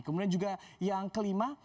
kemudian juga yang kelima